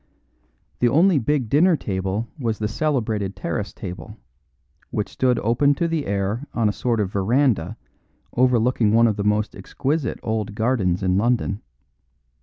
The only big dinner table was the celebrated terrace table, which stood open to the air on a sort of veranda overlooking one of the most exquisite old gardens in London.